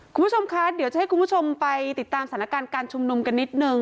คุณผู้ชมคะเดี๋ยวจะให้คุณผู้ชมไปติดตามสถานการณ์การชุมนุมกันนิดนึง